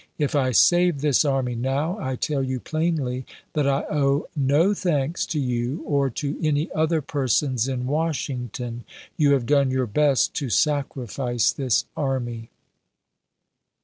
.. If I save this army now, I ^^^j^^^^^^g""' tell you plainly that I owe no thanks to you or to i2:2o'^a. m. any other persons in Washington. You have done y^.' xi., your best to sacrifice this army."